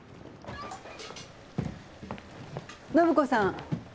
暢子さん。